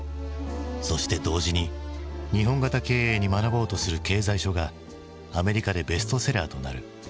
そして同時に日本型経営に学ぼうとする経済書がアメリカでベストセラーとなる。